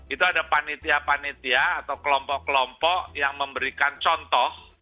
itu ada panitia panitia atau kelompok kelompok yang memberikan contoh